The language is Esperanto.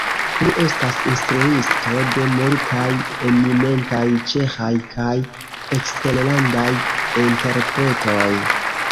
Li estas instruisto de multaj eminentaj ĉeĥaj kaj eksterlandaj interpretoj.